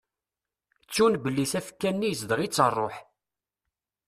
Ttun belli tafekka-nni izdeɣ-itt rruḥ.